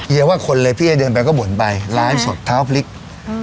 เยี่ยมว่าคนเลยพี่เอ้ยเดินไปก็โบนไปร้ายสดท้าวฟลิกเหมือนกันอืม